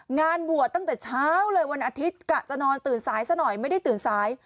งานบวชตั้งแต่เช้าเลยวันอาทิตย์กะจะนอนตื่นสายซะหน่อยไม่ได้ตื่นสาย